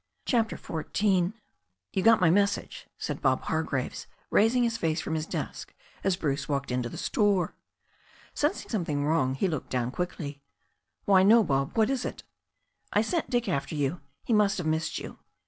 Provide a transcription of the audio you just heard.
CHAPTER XIV YOU got my message," said Bob Hargraves, raising his face from his desk as Bruce walked into the store. Sensing something wrong, he looked down quickly. "Why, no, Bob. What is it?" "I sent Dick after yoa He must have missed you."